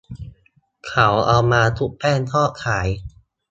เขาเอามาชุบแป้งทอดขาย